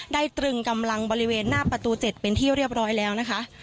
ตรึงกำลังบริเวณหน้าประตู๗เป็นที่เรียบร้อยแล้วนะคะ